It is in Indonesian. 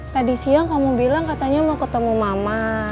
tadi siang kamu bilang katanya mau ketemu mama